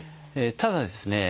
ただですね